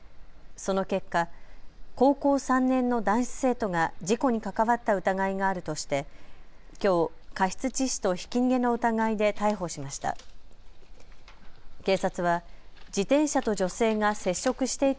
その結果、高校３年の男子生徒が事故に関わった疑いがあるとしてきょう過失致死とひき逃げの疑いで逮捕しました。